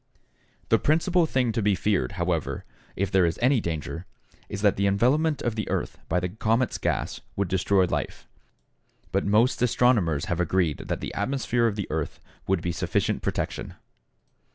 The principal thing to be feared, however, if there is any danger, is that the envelopment of the earth by the comet's gas would destroy life, but most astronomers have agreed that the atmosphere of the earth would be sufficient protection.